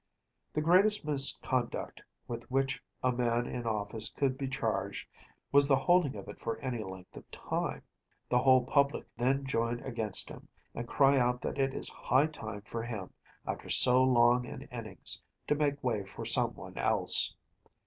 The greatest misconduct with which a man in office could be charged was the holding of it for any length of time; the whole public then join against him, and cry out that it is high time for him, after so long an innings, to make way for some one else.